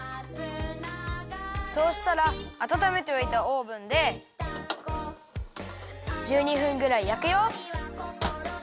そうしたらあたためておいたオーブンで１２分ぐらいやくよ。